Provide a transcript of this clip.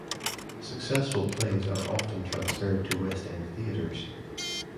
Successful plays are often transferred to West End theatres.